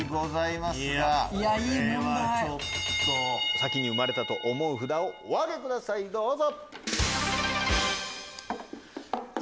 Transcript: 先に生まれたと思う札をお挙げくださいどうぞ！